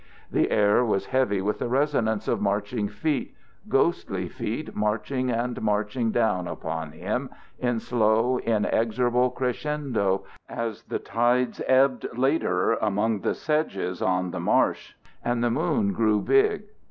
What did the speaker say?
The air was heavy with the resonance of marching feet, ghostly feet marching and marching down upon him in slow, inexorable crescendo as the tides ebbed later among the sedges on the marsh and the moon grew big.